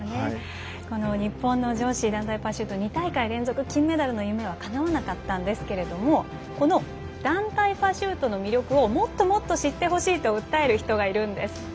日本の女子団体パシュート２大会連続金メダルの夢はかなわなかったんですけれどもこの団体パシュートの魅力をもっともっと知ってほしいと訴える人がいるんです。